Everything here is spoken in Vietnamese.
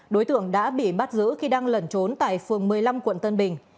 đối tượng đã bị bắt giữ khi đang lẩn trốn tại phường một mươi năm quận tân bình